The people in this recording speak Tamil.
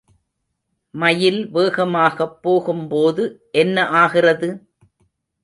மயில் வேகமாகப் போகும்போது என்ன ஆகிறது?